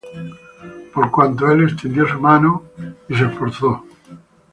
Por cuanto él extendió su mano contra Dios, Y se esforzó contra el Todopoderoso,